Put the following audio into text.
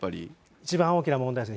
一番大きな問題です。